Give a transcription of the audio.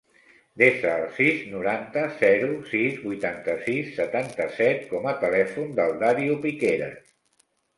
Desa el sis, noranta, zero, sis, vuitanta-sis, setanta-set com a telèfon del Dario Piqueras.